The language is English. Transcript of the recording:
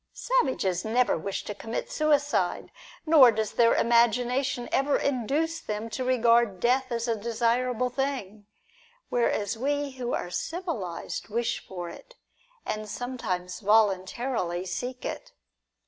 Savages never wish to commit suicide, nor does their imagination ever induce them to regard death as a desirable thing ; whereas we who are civilised wish for it, and sometimes voluntarily seek it.